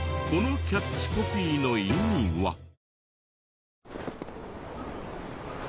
このキャッチコピーの意味は？